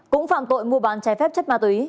cũng phạm tội mua bán trái phép chất ma túy